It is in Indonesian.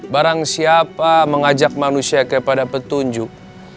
barang siapa mengajak manusia kepada petunjuk